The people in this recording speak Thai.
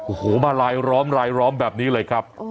โอ้โหมาลายร้อมแบบนี้เลยครับ